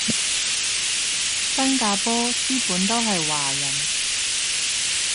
新加坡基本都係華人